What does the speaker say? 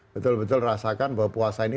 betul betul rasakan bahwa puasa ini